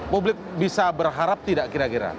publik bisa berharap tidak kira kira